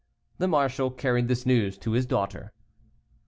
The marshal carried this news to his daughter.